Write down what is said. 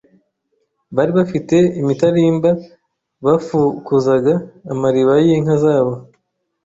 bari bafite imitarimba bafukuzaga amariba y'inka zabo.